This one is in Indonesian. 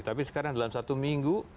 tapi sekarang dalam satu minggu